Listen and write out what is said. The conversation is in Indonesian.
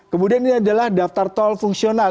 kemudian ini adalah daftar tol fungsional